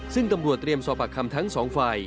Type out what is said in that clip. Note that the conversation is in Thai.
ซึ่งตำรวจเตรียมสอบปากคำทั้งสองฝ่าย